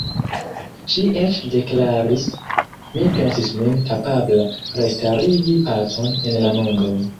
Ŝi eĉ deklaris: Mi pensis min kapabla restarigi pacon en la mondo..